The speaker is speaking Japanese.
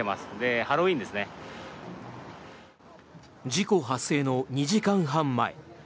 事故発生の２時間半前。